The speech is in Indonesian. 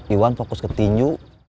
iwan fokus ke tinyu